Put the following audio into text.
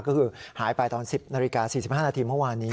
ก็คือหายไปตอน๑๐นาฬิกา๔๕นาทีเมื่อวานนี้